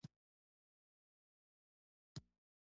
که څه هم بوسیا د نکرومه له سیالانو څخه و.